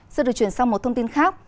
giờ được chuyển sang một thông tin khác